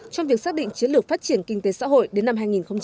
trong việc xác định chiến lược phát triển kinh tế xã hội đến năm hai nghìn ba mươi